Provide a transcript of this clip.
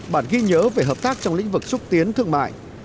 bản ghi nhớ về hợp tác trong lĩnh vực xúc tiến thương mại